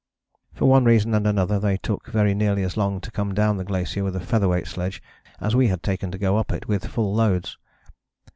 For one reason and another they took very nearly as long to come down the glacier with a featherweight sledge as we had taken to go up it with full loads.